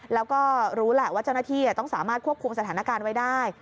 แล้วก็รู้แหละว่าเจ้าหน้าที่ต้องสามารถควบคุมสถานการณ์ไว้ได้